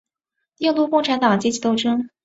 印度共产党阶级斗争。